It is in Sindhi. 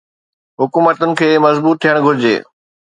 حڪومتن کي مضبوط ٿيڻ گهرجي.